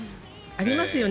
ありますよね